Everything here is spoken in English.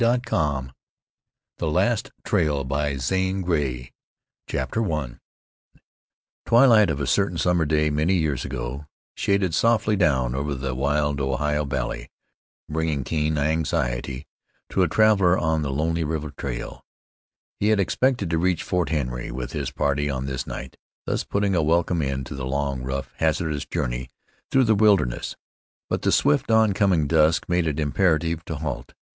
ZANE GREY The Last Trail MCMIX CHAPTER I Twilight of a certain summer day, many years ago, shaded softly down over the wild Ohio valley bringing keen anxiety to a traveler on the lonely river trail. He had expected to reach Fort Henry with his party on this night, thus putting a welcome end to the long, rough, hazardous journey through the wilderness; but the swift, on coming dusk made it imperative to halt.